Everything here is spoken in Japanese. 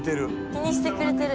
気にしてくれてる。